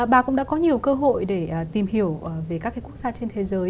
bà cũng đã có nhiều cơ hội để tìm hiểu về các quốc gia trên thế giới